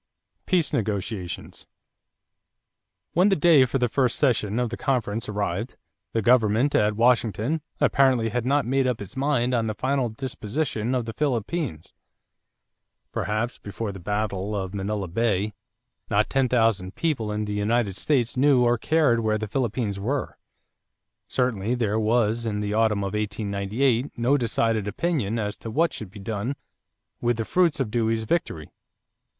=Peace Negotiations.= When the day for the first session of the conference arrived, the government at Washington apparently had not made up its mind on the final disposition of the Philippines. Perhaps, before the battle of Manila Bay, not ten thousand people in the United States knew or cared where the Philippines were. Certainly there was in the autumn of 1898 no decided opinion as to what should be done with the fruits of Dewey's victory.